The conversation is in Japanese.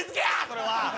それは。